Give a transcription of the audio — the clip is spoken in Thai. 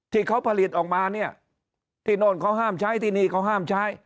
ที่เขาผลิตออกมาเนี่ยที่โน่นเขาห้ามใช้ที่นี่เขาห้ามใช้